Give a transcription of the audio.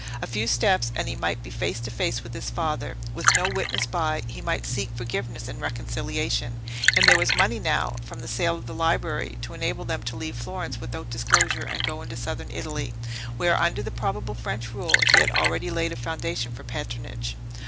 A few steps, and he might be face to face with his father, with no witness by; he might seek forgiveness and reconciliation; and there was money now, from the sale of the library, to enable them to leave Florence without disclosure, and go into Southern Italy, where under the probable French rule, he had already laid a foundation for patronage.